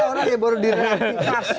ada orang yang baru direaktifasi